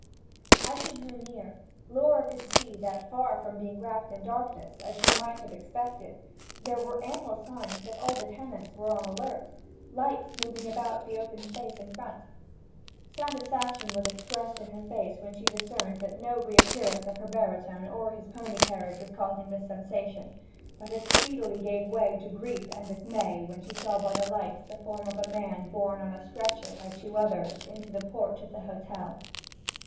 As she drew near, Laura could see that, far from being wrapped in darkness, as she might have expected, there were ample signs that all the tenants were on the alert, lights moving about the open space in front. Satisfaction was expressed in her face when she discerned that no reappearance of her baritone and his pony carriage was causing this sensation; but it speedily gave way to grief and dismay when she saw by the lights the form of a man borne on a stretcher by two others into the porch of the hotel.